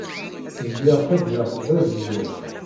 Zgiɣ ttaǧǧaɣ-t d azgen.